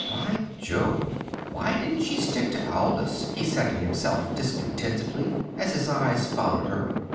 "By Jove! Why didn't she stick to Aldous," he said to himself discontentedly as his eyes followed her.